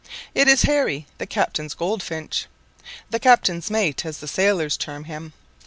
It is "Harry," the captain's goldfinch "the captain's mate," as the sailors term him.